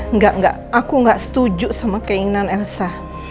enggak enggak aku nggak setuju sama keinginan elsa